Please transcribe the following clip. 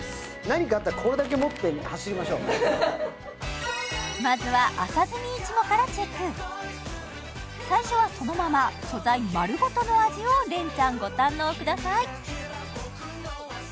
何かあったらこれだけ持って走りましょうまずは朝摘みいちごからチェック最初はそのまま素材まるごとの味を恋ちゃんご堪能ください